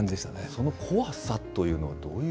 その怖さというのは、どういう？